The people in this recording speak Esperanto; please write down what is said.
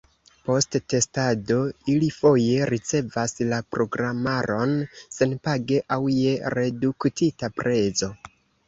Post testado ili foje ricevas la programaron senpage aŭ je reduktita prezo.